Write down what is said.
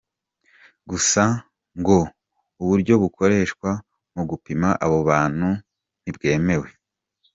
Gusa, ngo uburyo bukoreshwa mu gupima abo bantu ntibwemewe.